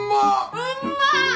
うんまっ！